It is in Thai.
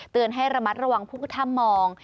เตือนให้ระมัดระวังผู้ท่ามมอง